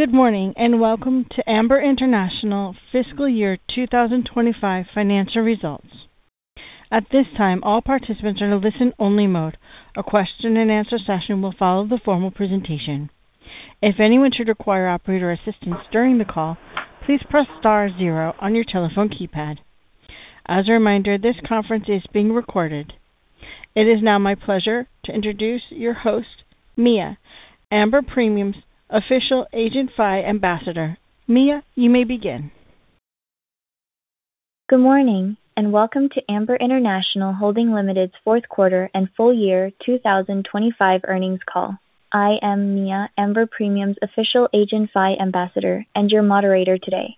Good morning, and welcome to Amber International Fiscal Year 2025 financial results. At this time, all participants are in a listen-only mode. A question and answer session will follow the formal presentation. If anyone should require operator assistance during the call, please press star zero on your telephone keypad. As a reminder, this conference is being recorded. It is now my pleasure to introduce your host, MIA, Amber Premium's official AgentFi ambassador. MIA, you may begin. Good morning, and welcome to Amber International Holding Limited's fourth quarter and full year 2025 earnings call. I am MIA, Amber Premium's official AgentFi ambassador and your moderator today.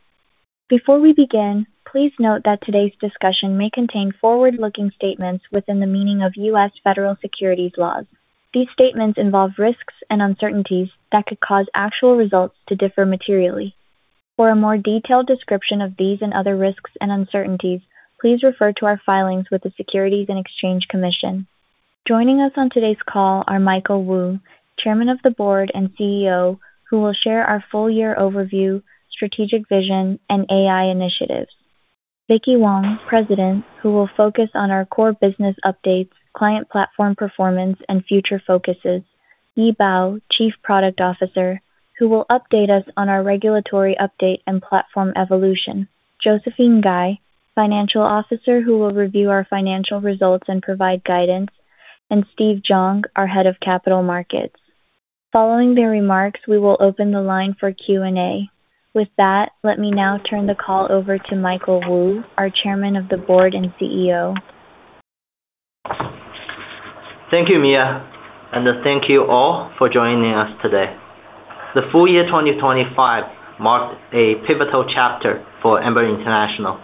Before we begin, please note that today's discussion may contain forward-looking statements within the meaning of U.S. Federal Securities laws. These statements involve risks and uncertainties that could cause actual results to differ materially. For a more detailed description of these and other risks and uncertainties, please refer to our filings with the Securities and Exchange Commission. Joining us on today's call are Michael Wu, Chairman of the Board and Chief Executive Officer, who will share our full-year overview, strategic vision, and AI initiatives. Vicky Wang, President, who will focus on our core business updates, client platform performance, and future focuses. Yi Bao, Chief Product Officer, who will update us on our regulatory update and platform evolution. Josephine Ngai, Chief Financial Officer, who will review our financial results and provide guidance, and Steve Zhang, our Head of Capital Markets. Following their remarks, we will open the line for Q&A. With that, let me now turn the call over to Michael Wu, our Chairman of the Board and Chief Executive Officer. Thank you, MIA, and thank you all for joining us today. The full year 2025 marked a pivotal chapter for Amber International,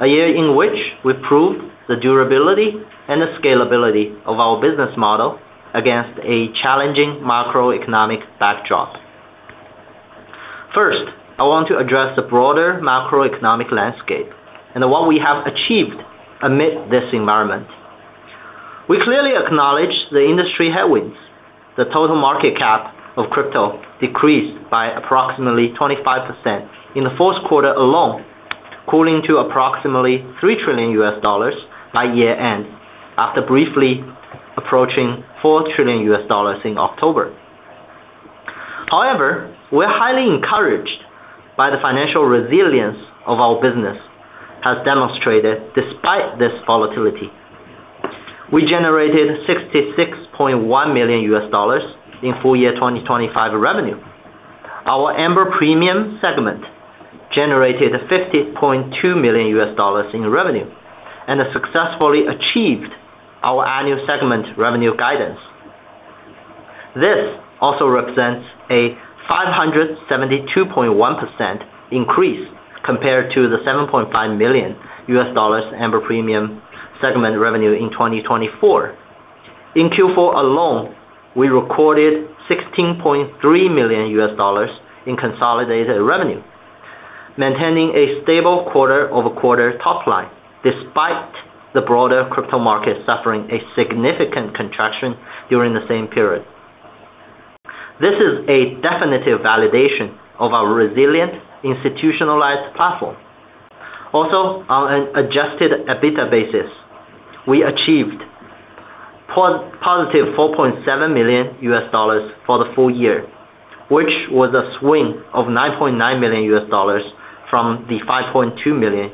a year in which we proved the durability and the scalability of our business model against a challenging macroeconomic backdrop. First, I want to address the broader macroeconomic landscape and what we have achieved amid this environment. We clearly acknowledge the industry headwinds. The total market cap of crypto decreased by approximately 25% in the fourth quarter alone, cooling to approximately $3 trillion by year-end, after briefly approaching $4 trillion in October. However, we are highly encouraged by the financial resilience of our business has demonstrated despite this volatility. We generated $66.1 million in full year 2025 revenue. Our Amber Premium segment generated $50.2 million in revenue, has successfully achieved our annual segment revenue guidance. This also represents a 572.1% increase compared to the $7.5 million Amber Premium segment revenue in 2024. In Q4 alone, we recorded $16.3 million in consolidated revenue, maintaining a stable quarter-over-quarter top line despite the broader crypto market suffering a significant contraction during the same period. This is a definitive validation of our resilient institutionalized platform. On an adjusted EBITDA basis, we achieved positive $4.7 million for the full year, which was a swing of $9.9 million from the $5.2 million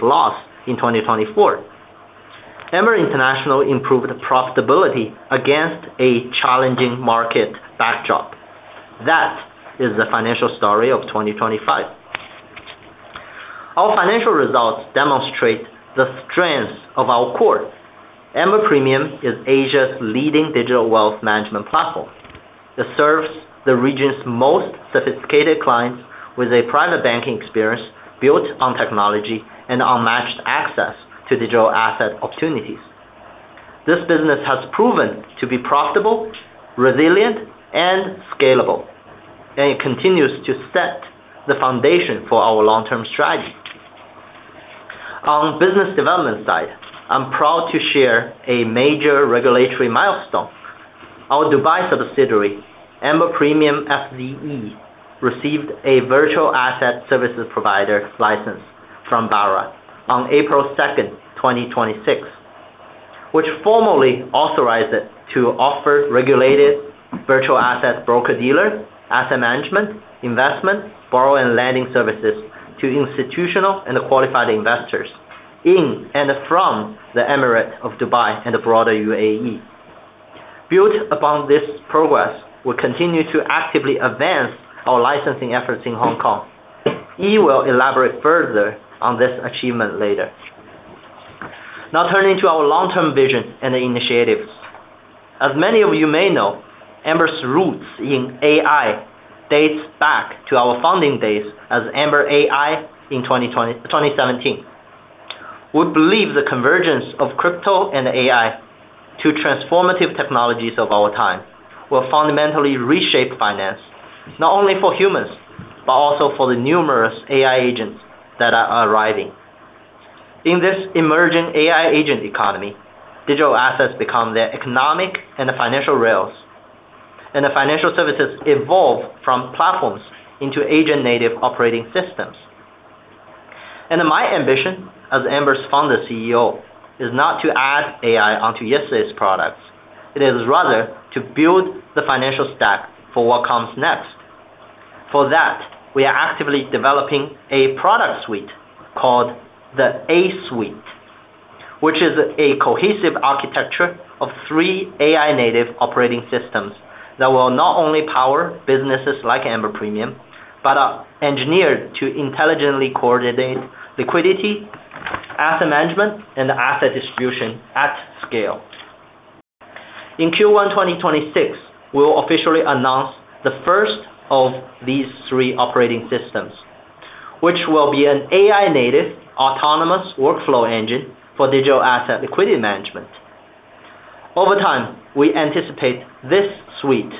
loss in 2024. Amber International improved profitability against a challenging market backdrop. That is the financial story of 2025. Our financial results demonstrate the strength of our core. Amber Premium is Asia's leading digital wealth management platform. It serves the region's most sophisticated clients with a private banking experience built on technology and unmatched access to digital asset opportunities. This business has proven to be profitable, resilient, and scalable, and it continues to set the foundation for our long-term strategy. On business development side, I'm proud to share a major regulatory milestone. Our Dubai subsidiary, Amber Premium FZE, received a Virtual Asset Service Provider license from VARA on April 2nd, 2026, which formally authorized it to offer regulated virtual asset broker-dealer, asset management, investment, borrow and lending services to institutional and qualified investors in and from the Emirate of Dubai and the broader United Arab Emirates. Built upon this progress, we continue to actively advance our licensing efforts in Hong Kong. Yi will elaborate further on this achievement later. Turning to our long-term vision and initiatives. As many of you may know, Amber's roots in AI date back to our founding days as Amber AI in 2017. We believe the convergence of crypto and AI to transformative technologies of our time will fundamentally reshape finance, not only for humans, but also for the numerous AI agents that are arriving. In this emerging AI agent economy, digital assets become the economic and financial rails, and the financial services evolve from platforms into agent-native operating systems. My ambition as Amber's founder Chief Executive Officer is not to add AI onto yesterday's products. It is rather to build the financial stack for what comes next. For that, we are actively developing a product suite called the A-Suite, which is a cohesive architecture of three AI-native operating systems that will not only power businesses like Amber Premium, but are engineered to intelligently coordinate liquidity, asset management, and asset distribution at scale. In Q1 2026, we'll officially announce the first of these three operating systems, which will be an AI-native autonomous workflow engine for digital asset liquidity management. Over time, we anticipate this suite,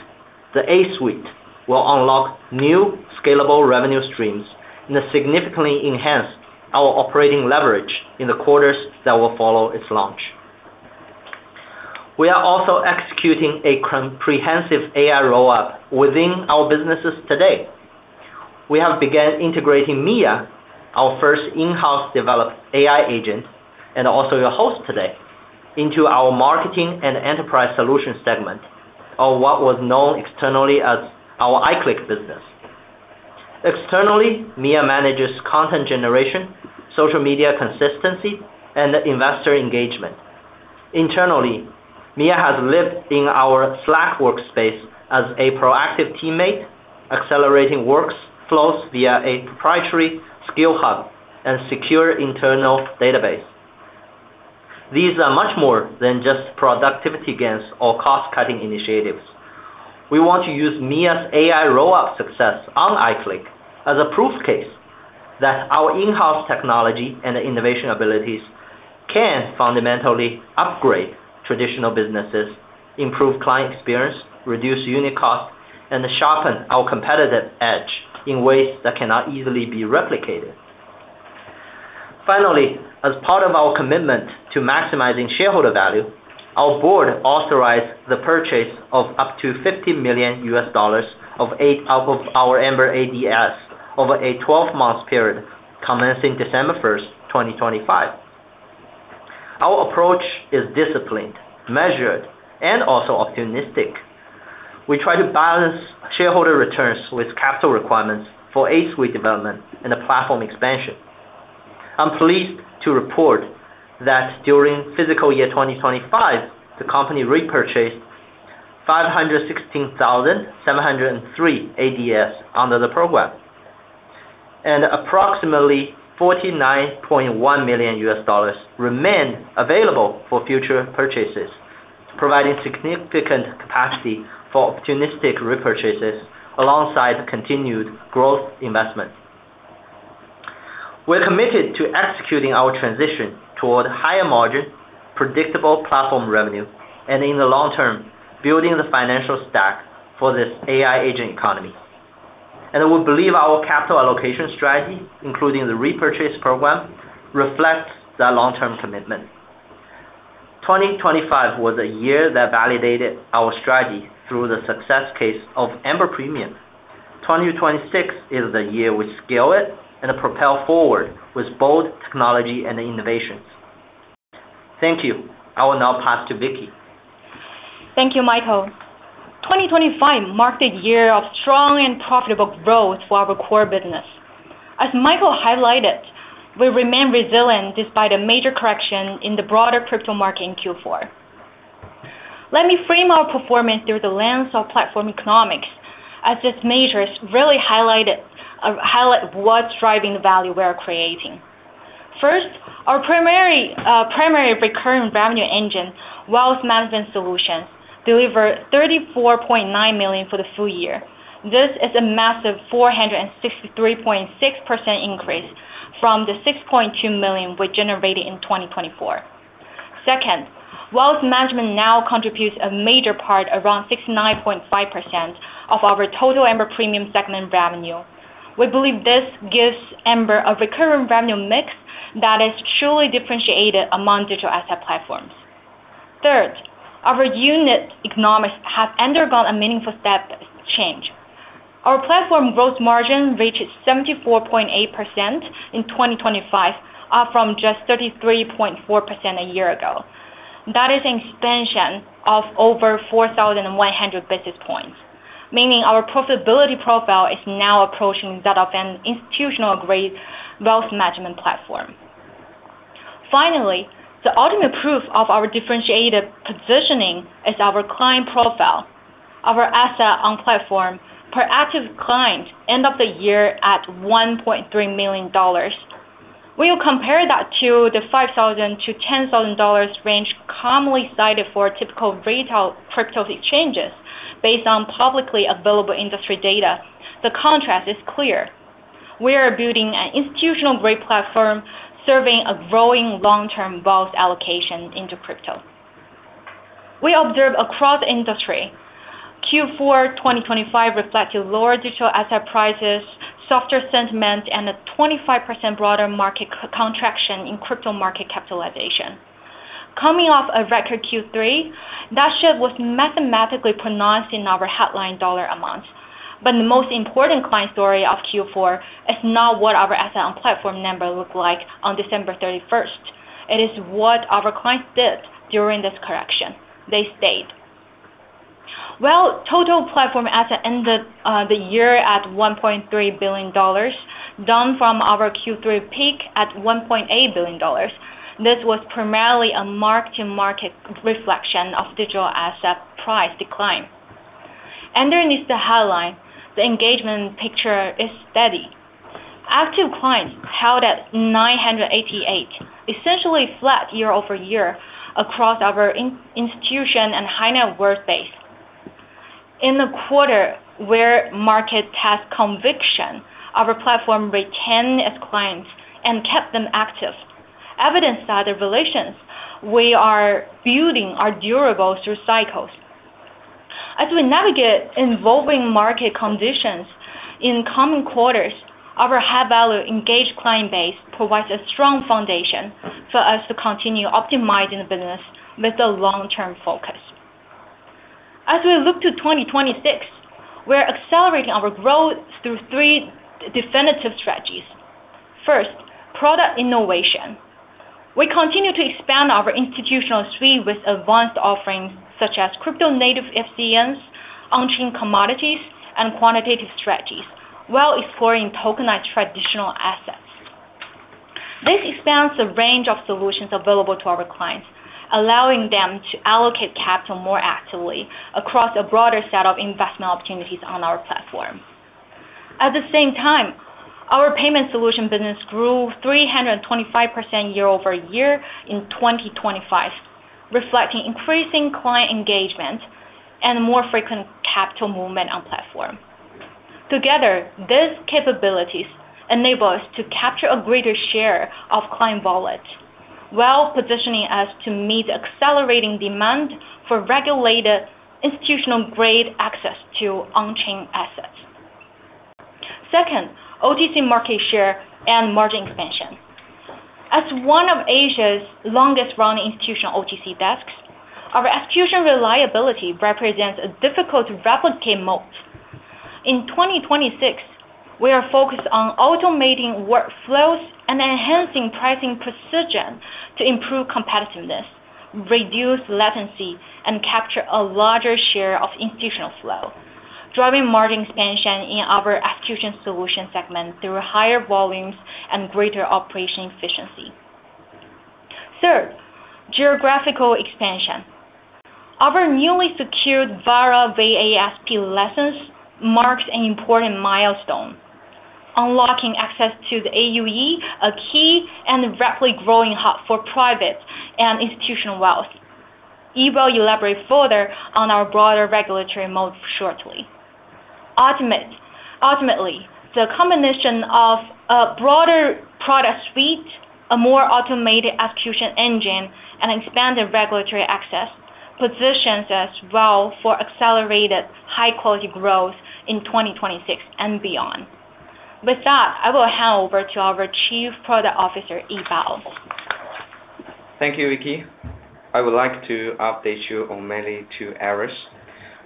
the A-Suite, will unlock new scalable revenue streams and significantly enhance our operating leverage in the quarters that will follow its launch. We are also executing a comprehensive AI rollout within our businesses today. We have begun integrating MIA, our first in-house developed AI agent, and also your host today, into our marketing and enterprise solution segment, or what was known externally as our iClick business. Externally, MIA manages content generation, social media consistency, and investor engagement. Internally, MIA has lived in our Slack workspace as a proactive teammate, accelerating workflows via a proprietary skill hub, and secure internal database. These are much more than just productivity gains or cost-cutting initiatives. We want to use MIA's AI rollout success on iClick as a proof case that our in-house technology and innovation abilities can fundamentally upgrade traditional businesses, improve client experience, reduce unit cost, and sharpen our competitive edge in ways that cannot easily be replicated. Finally, as part of our commitment to maximizing shareholder value, our board authorized the purchase of up to $50 million of eight of our Amber ADS over a 12-month period commencing December 1st, 2025. Our approach is disciplined, measured, and also opportunistic. We try to balance shareholder returns with capital requirements for A-Suite development and a platform expansion. I'm pleased to report that during fiscal year 2025, the company repurchased 516,703 ADS under the program, and approximately $49.1 million remain available for future purchases, providing significant capacity for opportunistic repurchases alongside continued growth investments. We're committed to executing our transition toward higher-margin, predictable platform revenue, and in the long term, building the financial stack for this AI agent economy. We believe our capital allocation strategy, including the repurchase program, reflects that long-term commitment. 2025 was a year that validated our strategy through the success case of Amber Premium. 2026 is the year we scale it and propel forward with both technology and innovations. Thank you. I will now pass to Vicky. Thank you, Michael. 2025 marked a year of strong and profitable growth for our core business. As Michael highlighted, we remain resilient despite a major correction in the broader crypto market in Q4. Let me frame our performance through the lens of platform economics, as its measures really highlight what's driving the value we are creating. First, our primary recurring revenue engine, Wealth Management Solutions, delivered $34.9 million for the full year. This is a massive 463.6% increase from the $6.2 million we generated in 2024. Second, Wealth Management now contributes a major part, around 69.5%, of our total Amber Premium segment revenue. We believe this gives Amber a recurring revenue mix that is truly differentiated among digital asset platforms. Third, our unit economics have undergone a meaningful step change. Our platform growth margin reached 74.8% in 2025, up from just 33.4% a year ago. That is an expansion of over 4,100 basis points, meaning our profitability profile is now approaching that of an institutional-grade wealth management platform. The ultimate proof of our differentiated positioning is our client profile. Our asset on platform per active client end of the year at $1.3 million. We compare that to the $5,000-$10,000 range commonly cited for typical retail crypto exchanges based on publicly available industry data. The contrast is clear. We are building an institutional-grade platform serving a growing long-term wealth allocation into crypto. We observe across industry, Q4 2025 reflected lower digital asset prices, softer sentiment, and a 25% broader market contraction in crypto market capitalization. Coming off a record Q3, that shift was mathematically pronounced in our headline dollar amounts. The most important client story of Q4 is not what our asset on platform number looked like on December 31st. It is what our clients did during this correction. They stayed. Well, total platform asset ended the year at $1.3 billion, down from our Q3 peak at $1.8 billion. This was primarily a mark-to-market reflection of digital asset price decline. Underneath the headline, the engagement picture is steady. Active clients held at 988, essentially flat year-over-year across our in-institution and high net worth base. In the quarter where market test conviction, our platform retained its clients and kept them active, evidenced by the relations we are building are durable through cycles. As we navigate involving market conditions in coming quarters, our high-value engaged client base provides a strong foundation for us to continue optimizing the business with a long-term focus. As we look to 2026, we're accelerating our growth through three definitive strategies. First, product innovation. We continue to expand our institutional suite with advanced offerings such as crypto-native FCNs, on-chain commodities, and quantitative strategies while exploring tokenized traditional assets. This expands the range of solutions available to our clients, allowing them to allocate capital more actively across a broader set of investment opportunities on our platform. At the same time, our payment solution business grew 325% year-over-year in 2025, reflecting increasing client engagement and more frequent capital movement on platform. Together, these capabilities enable us to capture a greater share of client wallet, while positioning us to meet accelerating demand for regulated institutional-grade access to on-chain assets. Second, OTC market share and margin expansion. As one of Asia's longest-running institutional OTC desks, our execution reliability represents a difficult-to-replicate moat. In 2026, we are focused on automating workflows and enhancing pricing precision to improve competitiveness, reduce latency, and capture a larger share of institutional flow, driving margin expansion in our execution solution segment through higher volumes and greater operation efficiency. Third, geographical expansion. Our newly secured VARA VASP license marks an important milestone, unlocking access to the UAE, a key and rapidly growing hub for private and institutional wealth. Yi Bao will elaborate further on our broader regulatory moat shortly. Ultimately, the combination of a broader product suite, a more automated execution engine, and expanded regulatory access positions us well for accelerated high-quality growth in 2026 and beyond. With that, I will hand over to our Chief Product Officer, Yi Bao. Thank you, Vicky. I would like to update you on mainly two areas.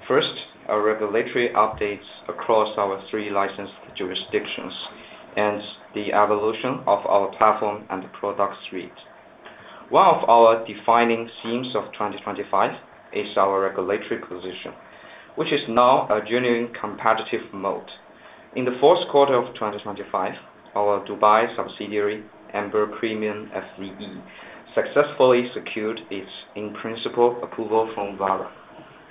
First, our regulatory updates across our three licensed jurisdictions and the evolution of our platform and product suite. One of our defining themes of 2025 is our regulatory position, which is now a genuine competitive moat. In the fourth quarter of 2025, our Dubai subsidiary, Amber Premium FZE, successfully secured its in-principle approval from VARA.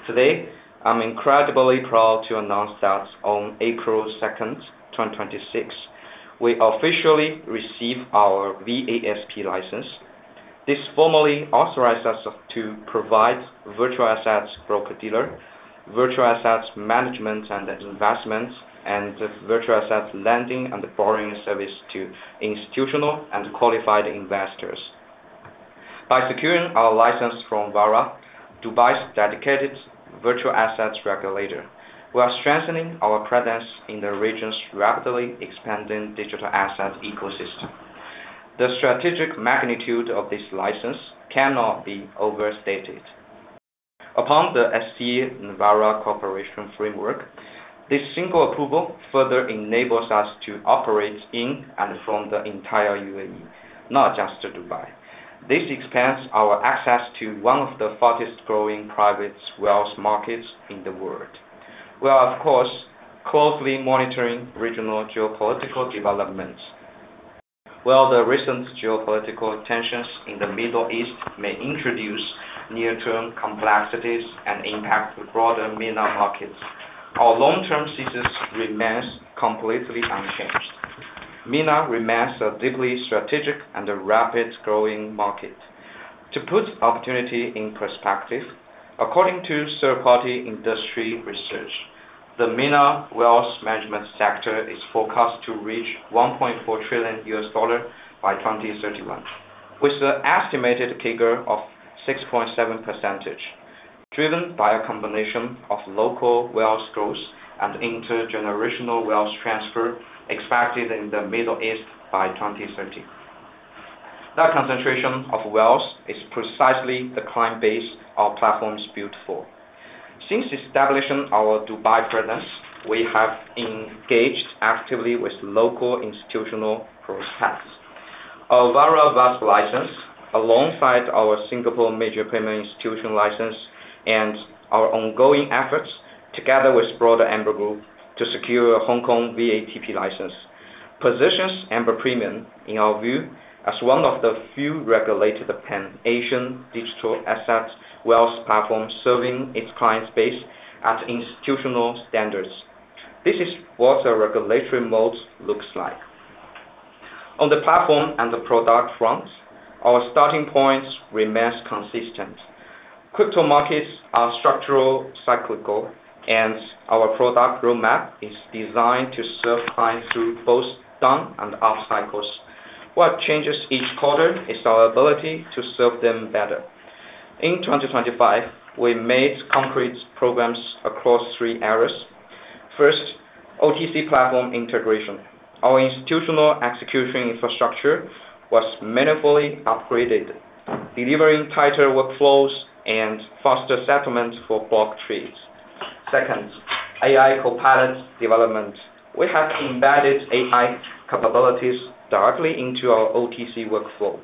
Today, I'm incredibly proud to announce that on April second, 2026, we officially received our VASP license. This formally authorized us to provide virtual assets broker-dealer, virtual assets management and investments, and virtual assets lending and borrowing service to institutional and qualified investors. By securing our license from VARA, Dubai's dedicated virtual assets regulator, we are strengthening our presence in the region's rapidly expanding digital assets ecosystem. The strategic magnitude of this license cannot be overstated. Upon the SCA and VARA cooperation framework, this single approval further enables us to operate in and from the entire UAE, not just Dubai. This expands our access to one of the fastest-growing private wealth markets in the world. We are, of course, closely monitoring regional geopolitical developments. While the recent geopolitical tensions in the Middle East may introduce near-term complexities and impact the broader MENA markets, our long-term thesis remains completely unchanged. MENA remains a deeply strategic and a rapid growing market. To put opportunity in perspective, according to third-party industry research, the MENA wealth management sector is forecast to reach $1.4 trillion by 2031, with the estimated CAGR of 6.7%, driven by a combination of local wealth growth and intergenerational wealth transfer expected in the Middle East by 2030. That concentration of wealth is precisely the client base our platform is built for. Since establishing our Dubai presence, we have engaged actively with local institutional prospects. Our VARA license, alongside our Singapore Major Payment Institution license and our ongoing efforts together with broader Amber Group to secure a Hong Kong VATP license, positions Amber Premium, in our view, as one of the few regulated pan-Asian digital asset wealth platforms serving its client base at institutional standards. This is what a regulatory mode looks like. On the platform and the product front, our starting points remains consistent. Crypto markets are structural cyclical, and our product roadmap is designed to serve clients through both down and up cycles. What changes each quarter is our ability to serve them better. In 2025, we made concrete programs across three areas. First, OTC platform integration. Our institutional execution infrastructure was meaningfully upgraded, delivering tighter workflows and faster settlements for block trades. Second, AI copilot development. We have embedded AI capabilities directly into our OTC workflow,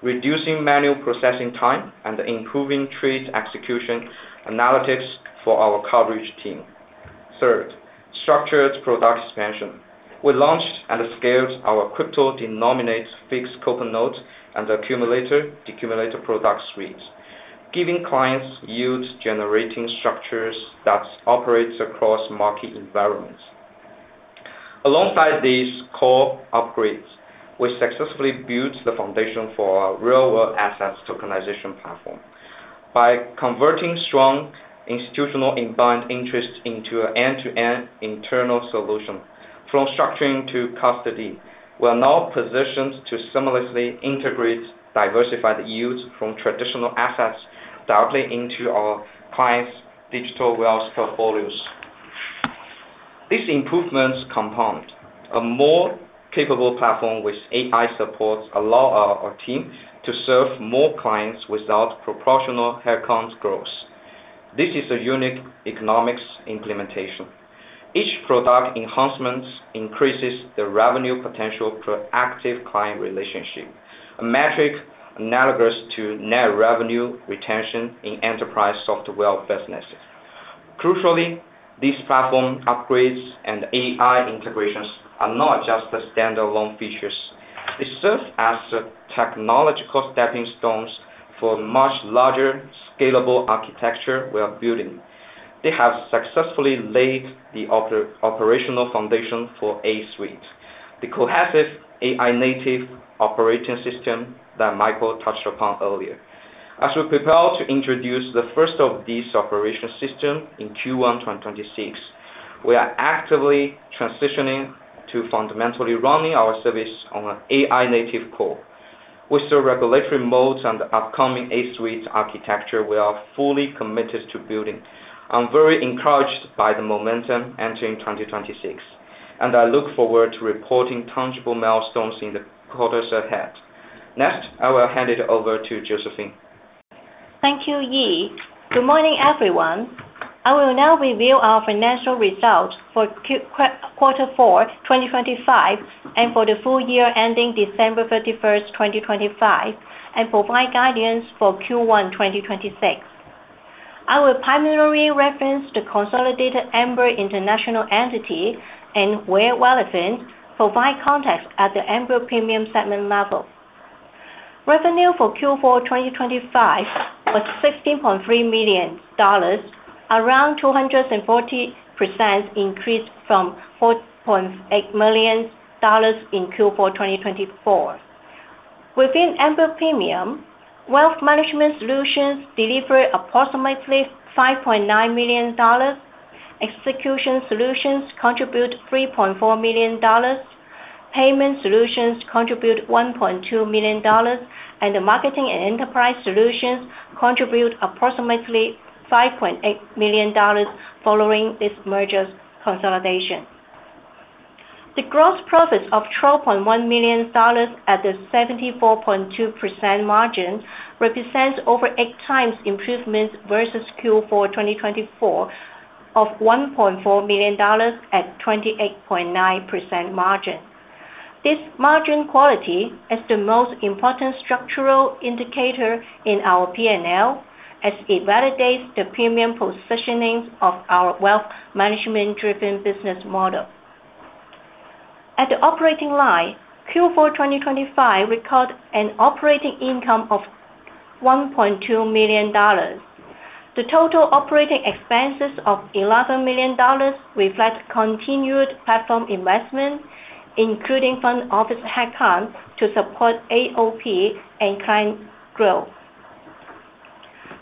reducing manual processing time and improving trade execution analytics for our coverage team. Third, structured product expansion. We launched and scaled our crypto-denominated Fixed Coupon Note and accumulator, decumulator product suites, giving clients yield-generating structures that operates across market environments. Alongside these core upgrades, we successfully built the foundation for our real-world assets tokenization platform. By converting strong institutional inbound interest into an end-to-end internal solution from structuring to custody, we are now positioned to seamlessly integrate diversified yields from traditional assets directly into our clients' digital wealth portfolios. These improvements compound. A more capable platform with AI support allow our team to serve more clients without proportional headcount growth. This is a unique economics implementation. Each product enhancements increases the revenue potential per active client relationship, a metric analogous to net revenue retention in enterprise software businesses. Crucially, these platform upgrades and AI integrations are not just the standalone features. They serve as the technological stepping stones for much larger scalable architecture we are building. They have successfully laid the operational foundation for A-Suite, the cohesive AI-native operating system that Michael touched upon earlier. As we prepare to introduce the first of these operational system in Q1 2026, we are actively transitioning to fundamentally running our service on an AI-native core. With the regulatory modes and upcoming A-Suite architecture we are fully committed to building, I'm very encouraged by the momentum entering 2026, and I look forward to reporting tangible milestones in the quarters ahead. Next, I will hand it over to Josephine. Thank you, Yi. Good morning, everyone. I will now review our financial results for quarter four, 2025, and for the full year ending December 31st, 2025, and provide guidance for Q1, 2026. I will primarily reference the consolidated Amber International entity and where relevant, provide context at the Amber Premium segment level. Revenue for Q4, 2025 was $16.3 million, around 240% increase from $4.8 million in Q4, 2024. Within Amber Premium, wealth management solutions delivered approximately $5.9 million, execution solutions contribute $3.4 million, payment solutions contribute $1.2 million, and the marketing and enterprise solutions contribute approximately $5.8 million following this merger's consolidation. The gross profits of $12.1 million at the 74.2% margin represents over 8x improvement versus Q4 2024 of $1.4 million at 28.9% margin. This margin quality is the most important structural indicator in our P&L as it validates the premium positioning of our wealth management-driven business model. At the operating line, Q4 2025 record an operating income of $1.2 million. The total operating expenses of $11 million reflect continued platform investment, including front office headcount to support AOP and client growth.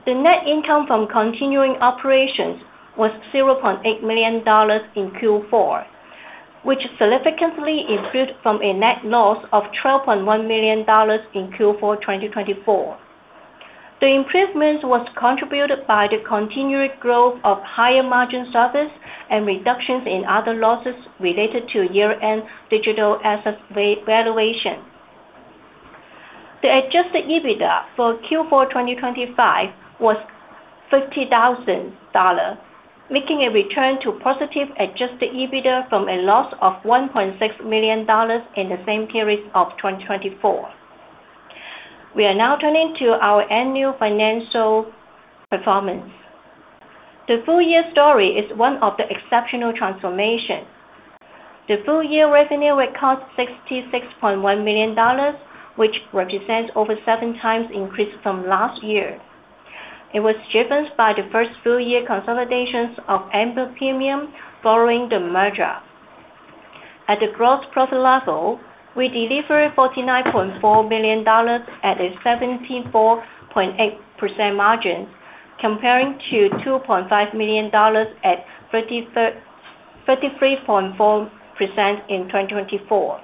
The net income from continuing operations was $0.8 million in Q4, which significantly improved from a net loss of $12.1 million in Q4 2024. The improvement was contributed by the continued growth of higher margin service and reductions in other losses related to year-end digital asset revaluation. The adjusted EBITDA for Q4 2025 was $50,000, making a return to positive adjusted EBITDA from a loss of $1.6 million in the same period of 2024. We are now turning to our annual financial performance. The full year story is one of the exceptional transformation. The full year revenue record $66.1 million, which represents over 7x increase from last year. It was driven by the first full year consolidations of Amber Premium following the merger. At the gross profit level, we delivered $49.4 million at a 74.8% margin, comparing to $2.5 million at 33.4% in 2024.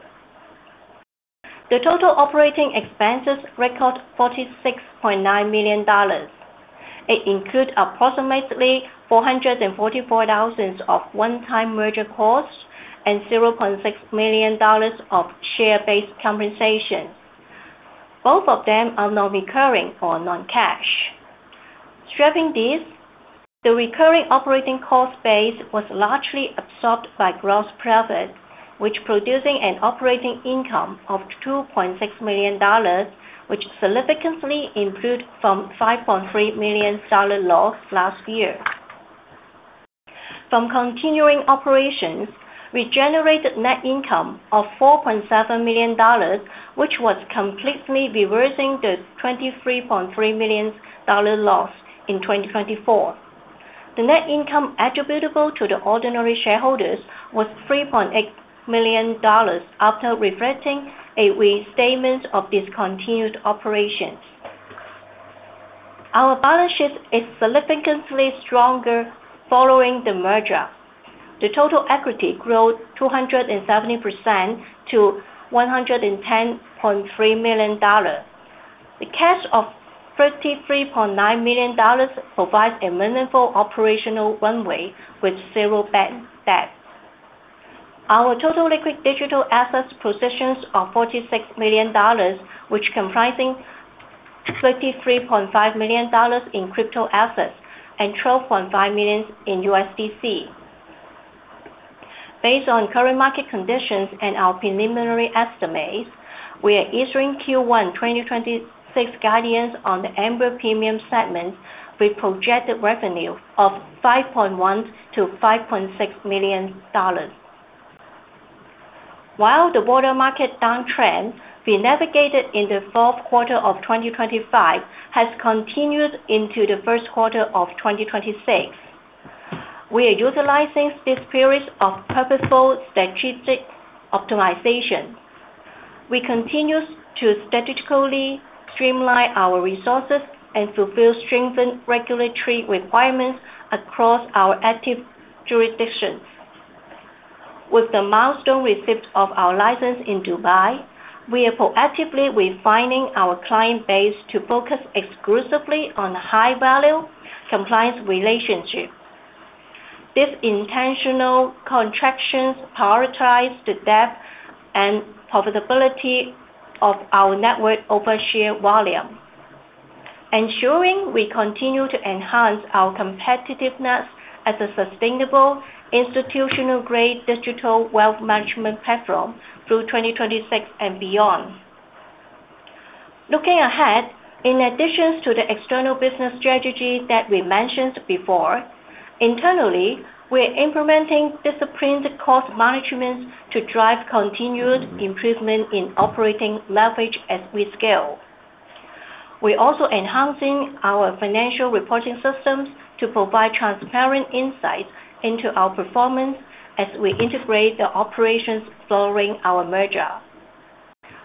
The total operating expenses record $46.9 million. It include approximately $444,000 of one-time merger costs and $0.6 million of share-based compensation. Both of them are non-recurring or non-cash. Stripping this, the recurring operating cost base was largely absorbed by gross profit, which producing an operating income of $2.6 million, which significantly improved from $5.3 million loss last year. From continuing operations, we generated net income of $4.7 million, which was completely reversing the $23.3 million loss in 2024. The net income attributable to the ordinary shareholders was $3.8 million after reflecting a restatement of discontinued operations. Our balance sheet is significantly stronger following the merger. The total equity growth 270% to $110.3 million. The cash of $33.9 million provides a meaningful operational runway with zero bank debt. Our total liquid digital assets positions are $46 million, which comprising $33.5 million in crypto assets and $12.5 million in USDC. Based on current market conditions and our preliminary estimates, we are issuing Q1 2026 guidance on the Amber Premium segment with projected revenue of $5.1 million-$5.6 million. While the broader market downtrend we navigated in the fourth quarter of 2025 has continued into the first quarter of 2026, we are utilizing this period of purposeful strategic optimization. We continue to strategically streamline our resources and fulfill strengthened regulatory requirements across our active jurisdictions. With the milestone receipt of our license in Dubai, we are proactively refining our client base to focus exclusively on high-value compliance relationship. This intentional contractions prioritize the depth and profitability of our network over share volume. Ensuring we continue to enhance our competitiveness as a sustainable institutional-grade digital wealth management platform through 2026 and beyond. Looking ahead, in addition to the external business strategy that we mentioned before, internally, we're implementing disciplined cost management to drive continued improvement in operating leverage as we scale. We're also enhancing our financial reporting systems to provide transparent insights into our performance as we integrate the operations following our merger.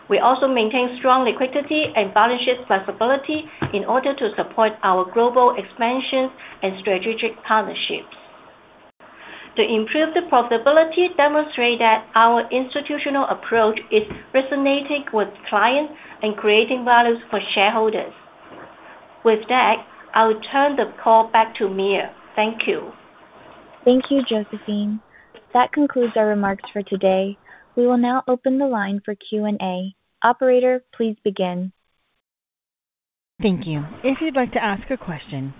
We also maintain strong liquidity and balance sheet flexibility in order to support our global expansion and strategic partnerships. The improved profitability demonstrate that our institutional approach is resonating with clients and creating values for shareholders. With that, I'll turn the call back to MIA. Thank you. Thank you, Josephine. That concludes our remarks for today. We will now open the line for Q&A. Operator, please begin. Thank you. Our first question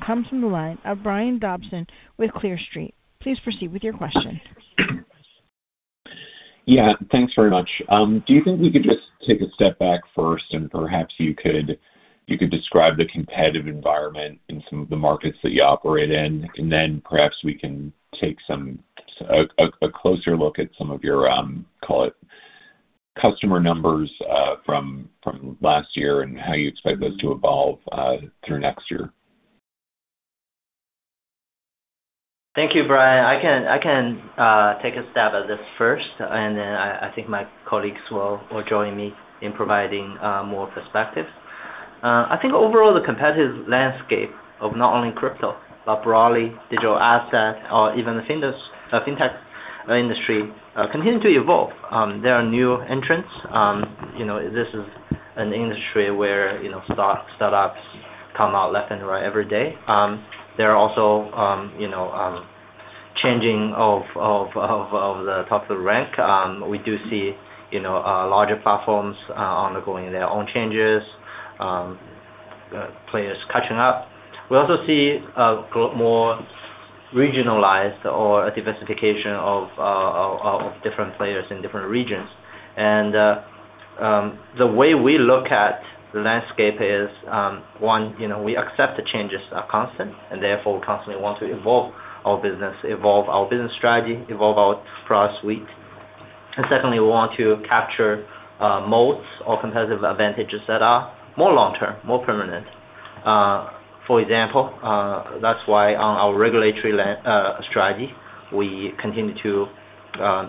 comes from the line of Brian Dobson with Clear Street. Please proceed with your question. Yeah, thanks very much. Do you think we could just take a step back first and perhaps you could describe the competitive environment in some of the markets that you operate in, and then perhaps we can take a closer look at some of your call it customer numbers from last year and how you expect those to evolve through next year? Thank you, Brian. I can take a stab at this first, and then I think my colleagues will join me in providing more perspective. I think overall the competitive landscape of not only crypto, but broadly digital assets or even the fintech industry, continue to evolve. There are new entrants. You know, this is an industry where, you know, startups come out left and right every day. They're also, you know, changing of the top of the rank. We do see, you know, larger platforms undergoing their own changes, players catching up. We also see a more regionalized or a diversification of different players in different regions. The way we look at the landscape is, one, you know, we accept the changes are constant, and therefore constantly want to evolve our business, evolve our business strategy, evolve our product suite. Secondly, we want to capture modes or competitive advantages that are more long-term, more permanent. For example, that's why on our regulatory land strategy, we continue to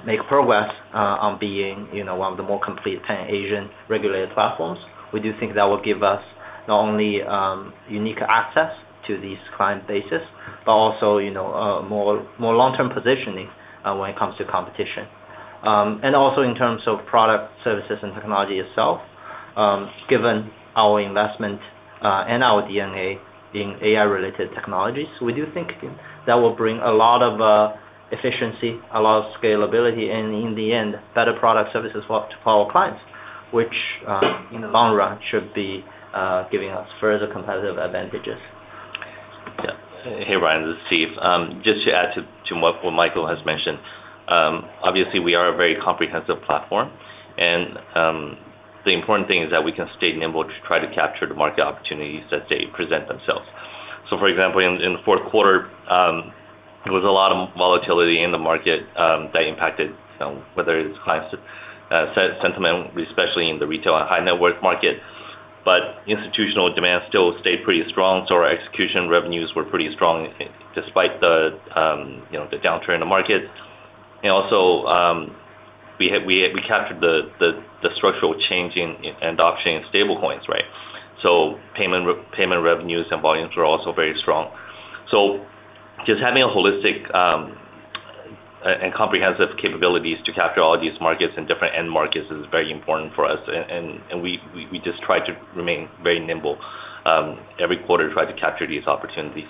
make progress on being, you know, one of the more complete Asian regulated platforms. We do think that will give us not only unique access to these client bases, but also, you know, more, more long-term positioning when it comes to competition. Also in terms of product, services, and technology itself, given our investment and our DNA in AI-related technologies, we do think that will bring a lot of efficiency, a lot of scalability, and in the end, better product services for, to follow clients, which, in the long run should be giving us further competitive advantages. Yeah. Hey, Brian, this is Steve. Just to add to what Michael has mentioned. Obviously we are a very comprehensive platform, and the important thing is that we can stay nimble to try to capture the market opportunities as they present themselves. For example, in the fourth quarter, there was a lot of volatility in the market that impacted, you know, whether it's clients' sentiment, especially in the retail and high net worth market, but institutional demand still stayed pretty strong, so our execution revenues were pretty strong, I think, despite the, you know, the downturn in the market. Also, we captured the structural change in adoption in stablecoins, right? Payment revenues and volumes were also very strong. Just having a holistic, and comprehensive capabilities to capture all these markets and different end markets is very important for us. We just try to remain very nimble, every quarter try to capture these opportunities.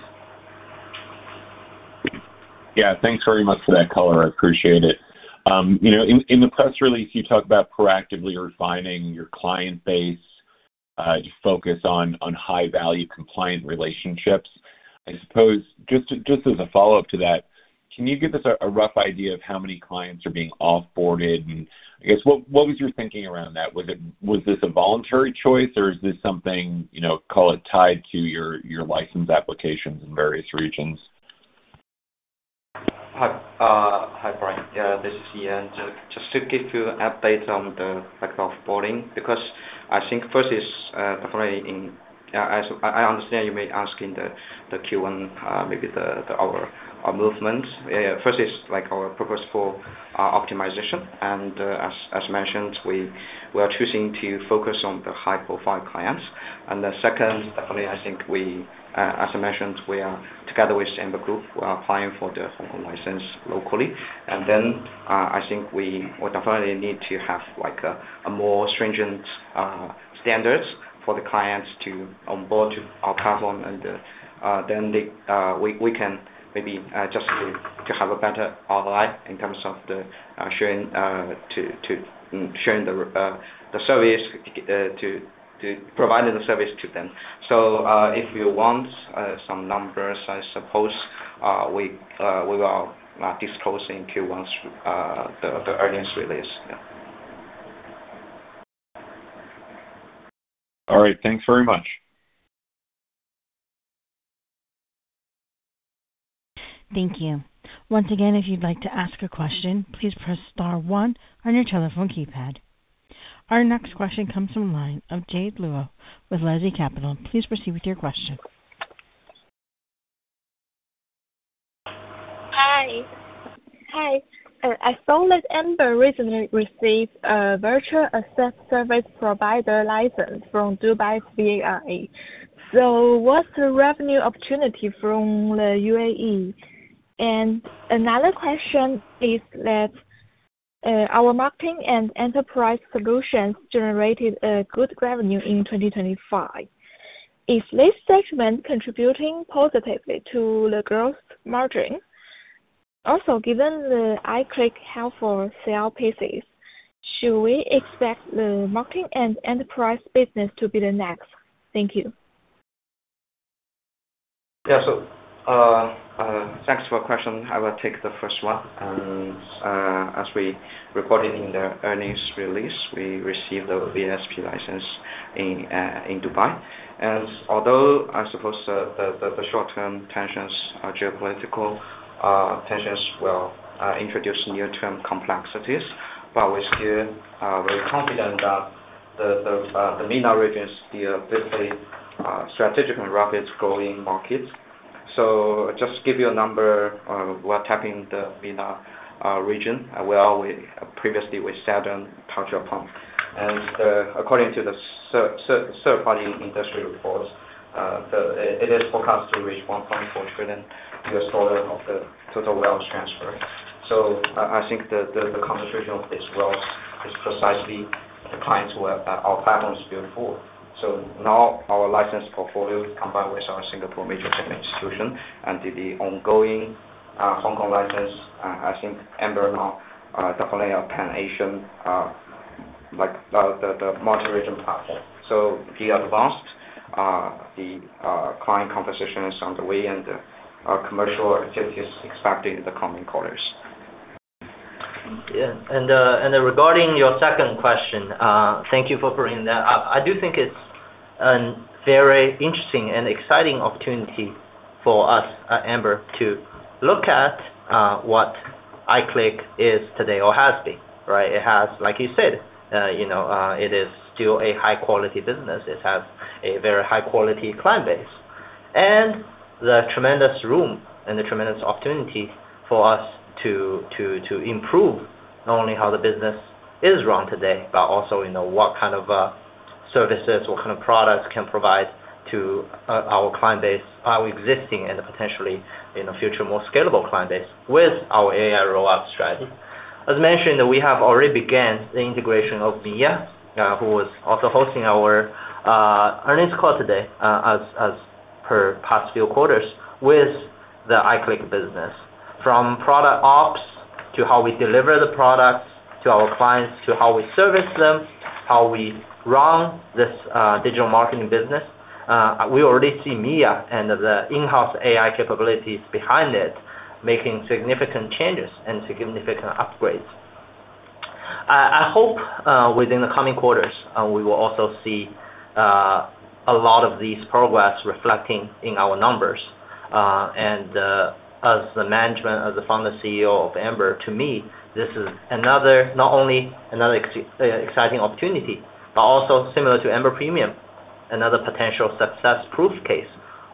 Yeah. Thanks very much for that color. I appreciate it. You know, in the press release, you talk about proactively refining your client base, to focus on high-value compliant relationships. I suppose just as a follow-up to that, can you give us a rough idea of how many clients are being off-boarded? I guess what was your thinking around that? Was it, was this a voluntary choice or is this something, you know, call it tied to your license applications in various regions? Hi, hi Brian. This is Yi. Just to give you update on the like off-boarding. As I understand you may ask in Q1, maybe our movements. First is like our purposeful optimization. As mentioned, we are choosing to focus on the high-profile clients. The second, definitely I think we, as I mentioned, we are together with Amber Group. We are applying for the local license locally. I think we would definitely need to have like a more stringent standards for the clients to onboard to our platform. Then the, we can maybe just to have a better ROI in terms of the sharing, to sharing the service, to providing the service to them. If you want some numbers, I suppose, we will disclose in Q1's the earnings release. Yeah. All right. Thanks very much. Thank you. Once again, if you'd like to ask a question, please press star one on your telephone keypad. Our next question comes from line of Jade Luo with Leslie Capital. Please proceed with your question. Hi. Hi. I saw that Amber recently received a Virtual Asset Service Provider license from Dubai VARA. What's the revenue opportunity from the United Arab Emirates? Another question is that our marketing and enterprise solutions generated a good revenue in 2025. Is this segment contributing positively to the gross margin? Given the iClick held for sale pieces, should we expect the marketing and enterprise business to be the next? Thank you. Yeah. Thanks for your question. I will take the first one. As we reported in the earnings release, we received the VASP license in Dubai. Although I suppose the short-term tensions are geopolitical tensions will introduce near-term complexities. We're still very confident that the MENA region is the obviously strategically rapid growing markets. Just give you a number on we're tapping the MENA region where we previously with Seven Touch a pump. According to the third party industry reports, it is forecast to reach $1.4 trillion of the total wealth transfer. I think the concentration of this wealth is precisely the clients who have our platforms built for. Now our license portfolio combined with our Singapore Major Payment Institution and the ongoing Hong Kong license, I think Amber now definitely a Pan Asian like the multi-region platform. We advanced the client conversations on the way, and our commercial activity is expanding in the coming quarters. Yeah. Regarding your second question, thank you for bringing that up. I do think it's a very interesting and exciting opportunity for us at Amber to look at what iClick is today or has been, right? It has, like you said, you know, it is still a high-quality business. It has a very high-quality client base. The tremendous room and the tremendous opportunity for us to improve not only how the business is run today, but also in what kind of services, what kind of products can provide to our client base, our existing and potentially in the future, more scalable client base with our AI rollout strategy. As mentioned, we have already began the integration of MIA, who was also hosting our earnings call today, as per past few quarters, with the iClick business. From product ops to how we deliver the products to our clients, to how we service them, how we run this digital marketing business. We already see MIA and the in-house AI capabilities behind it making significant changes and significant upgrades. I hope, within the coming quarters, we will also see a lot of these progress reflecting in our numbers. As the management, as the founder Chief Executive Officer of Amber, to me, this is another, not only another exciting opportunity, but also similar to Amber Premium, another potential success proof case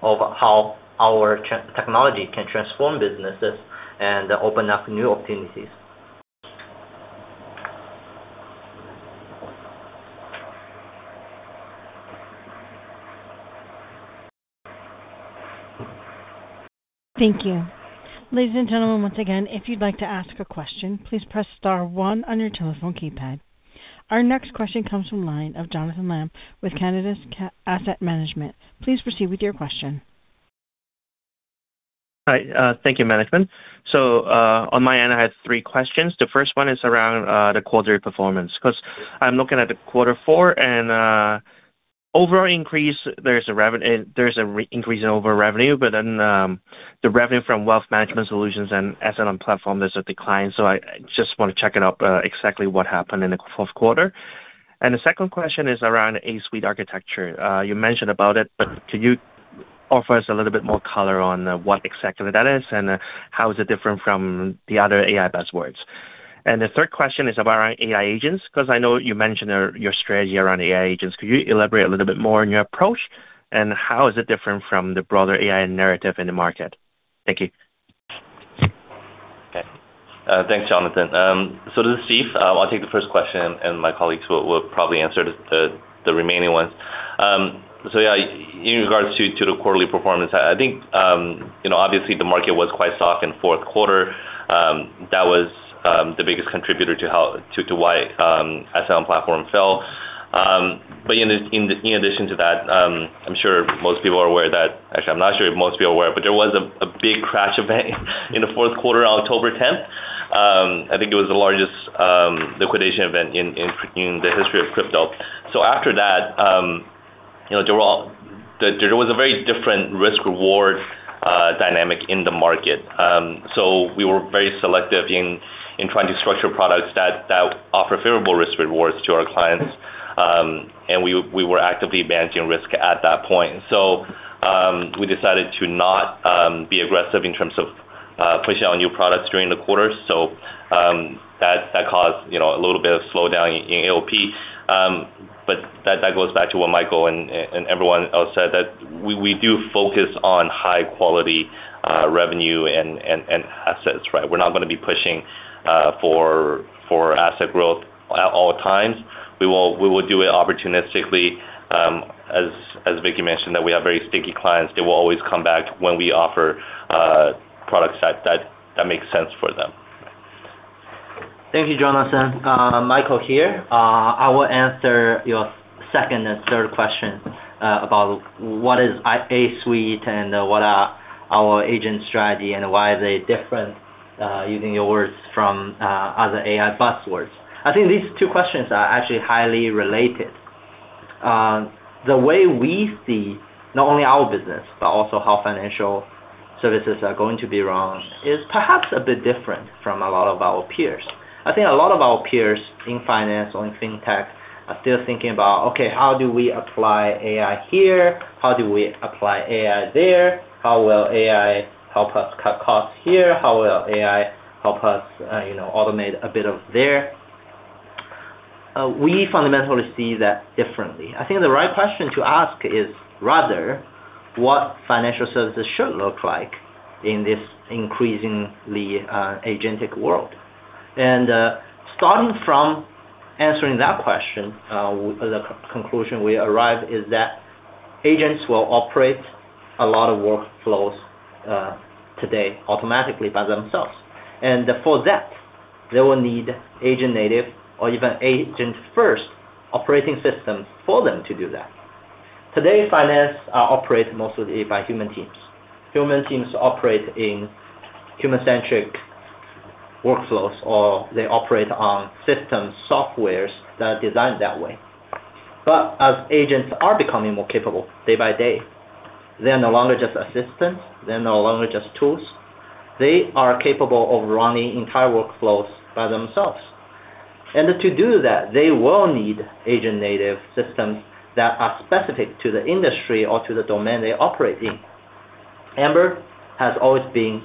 of how our technology can transform businesses and open up new opportunities. Thank you. Ladies and gentlemen, once again, if you'd like to ask a question, please press star one on your telephone keypad. Our next question comes from line of Jonathan Lam with Canada's asset management. Please proceed with your question. Hi. Thank you, management. On my end, I have three questions. The first one is around the quarterly performance, 'cause I'm looking at the quarter four and overall increase, there's an increase in overall revenue, the revenue from wealth management solutions and asset on platform, there's a decline. I just wanna check it up exactly what happened in the fourth quarter. The second question is around A-Suite architecture. You mentioned about it, but can you offer us a little bit more color on what exactly that is and how is it different from the other AI buzzwords? The third question is about AI agents, 'cause I know you mentioned your strategy around AI agents. Could you elaborate a little bit more on your approach, and how is it different from the broader AI narrative in the market? Thank you. Okay. Thanks, Jonathan. This is Steve. I'll take the first question, and my colleagues will probably answer the remaining ones. Yeah, in regards to the quarterly performance, I think, you know, obviously the market was quite soft in fourth quarter. That was the biggest contributor to why asset on platform fell. In addition to that, I'm sure most people are aware that. Actually, I'm not sure if most people are aware, but there was a big crash event in the fourth quarter on October 10th. I think it was the largest liquidation event in the history of crypto. After that, you know, there was a very different risk-reward dynamic in the market. We were very selective in trying to structure products that offer favorable risk rewards to our clients. We, we were actively managing risk at that point. We decided to not be aggressive in terms of pushing out new products during the quarter. That, that caused, you know, a little bit of slowdown in AOP. That, that goes back to what Michael and everyone else said, that we do focus on high quality revenue and, and assets, right? We're not gonna be pushing for asset growth at all times. We will, we will do it opportunistically as Vicky mentioned, that we have very sticky clients. They will always come back when we offer products that, that make sense for them. Thank you, Jonathan. Michael here. I will answer your second and third question about what is A-Suite and what are our agent strategy and why are they different, using your words from other AI buzzwords. I think these two questions are actually highly related. The way we see not only our business, but also how financial services are going to be run is perhaps a bit different from a lot of our peers. I think a lot of our peers in finance or in fintech are still thinking about, Okay, how do we apply AI here? How do we apply AI there? How will AI help us cut costs here? How will AI help us, you know, automate a bit of there. We fundamentally see that differently. I think the right question to ask is rather what financial services should look like in this increasingly agentic world. Starting from answering that question, the conclusion we arrive is that agents will operate a lot of workflows today automatically by themselves. For that, they will need agent native or even agent-first operating systems for them to do that. Today, finance are operated mostly by human teams. Human teams operate in human-centric workflows, or they operate on system softwares that are designed that way. As agents are becoming more capable day by day, they are no longer just assistants, they're no longer just tools. They are capable of running entire workflows by themselves. To do that, they will need agent native systems that are specific to the industry or to the domain they operate in. Amber has always been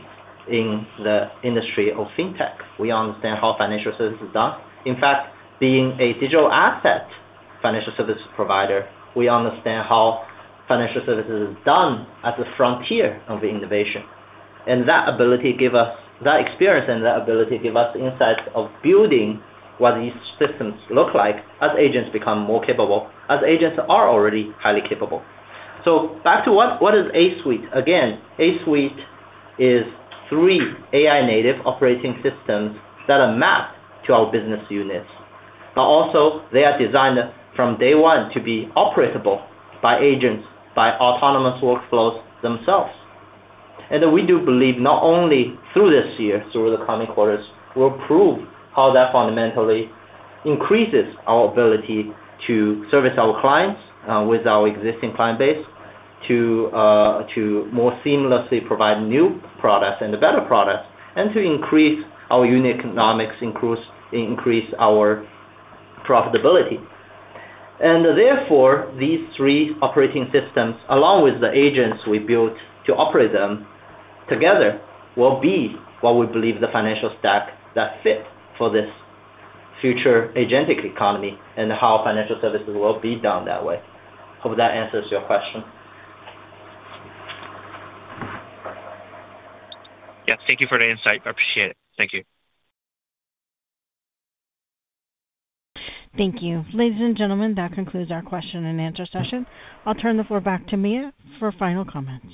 in the industry of fintech. We understand how financial services is done. In fact, being a digital asset financial service provider, we understand how financial services is done at the frontier of innovation. That experience and that ability give us insights of building what these systems look like as agents become more capable, as agents are already highly capable. Back to what is A-Suite? Again, A-Suite is three AI-native operating systems that are mapped to our business units. Also they are designed from day one to be operatable by agents, by autonomous workflows themselves. We do believe not only through this year, through the coming quarters, we'll prove how that fundamentally increases our ability to service our clients, with our existing client base to more seamlessly provide new products and better products, and to increase our unit economics, increase our profitability. Therefore, these three operating systems, along with the agents we built to operate them together, will be what we believe the financial stack that fit for this future AgentFi economy and how financial services will be done that way. Hope that answers your question. Yeah. Thank you for the insight. I appreciate it. Thank you. Thank you. Ladies and gentlemen, that concludes our question and answer session. I'll turn the floor back to MIA for final comments.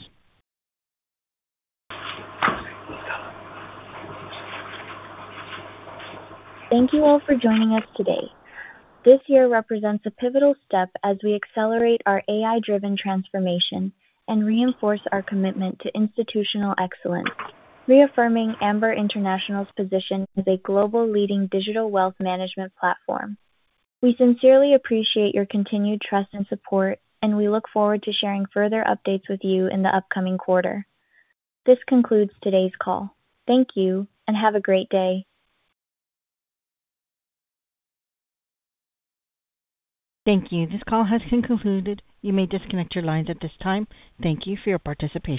Thank you all for joining us today. This year represents a pivotal step as we accelerate our AI-driven transformation and reinforce our commitment to institutional excellence, reaffirming Amber International's position as a global leading digital wealth management platform. We sincerely appreciate your continued trust and support, and we look forward to sharing further updates with you in the upcoming quarter. This concludes today's call. Thank you and have a great day. Thank you. This call has been concluded. You may disconnect your lines at this time. Thank you for your participation.